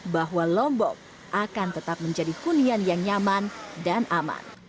bahwa lombok akan tetap menjadi hunian yang nyaman dan aman